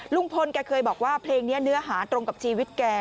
ลุงพลแกเคยบอกว่าเพลงนี้เนื้อหาตรงกับชีวิตแก